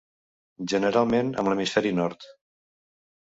Generalment en l'hemisferi nord.